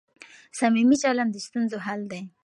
صمیمي چلند د ستونزو حل دی.